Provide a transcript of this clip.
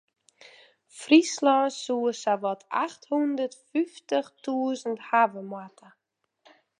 Fryslân soe sawat acht hûndert fyftich tûzen hawwe moatte.